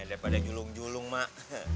daripada julung julung mak